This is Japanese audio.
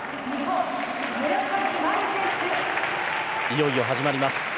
いよいよ始まります